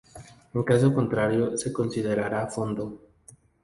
En caso contrario, se considerará fondo.